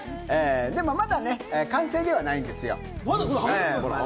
まだ完成ではないんですよ。